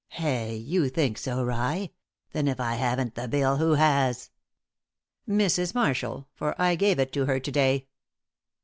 "Hey! You think so, rye! Then if I haven't the bill, who has?" "Mrs. Marshall; for I gave it to her to day."